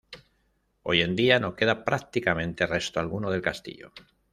Hoy en día no queda prácticamente resto alguno del castillo.